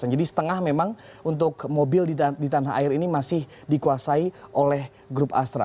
jadi setengah memang untuk mobil di tanah air ini masih dikuasai oleh grup astra